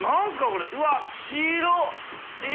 これうわっ白い。